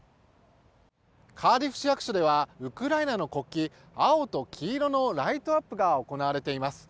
カーディフ市役所ではウクライナの国旗青と黄色のライトアップが行われています。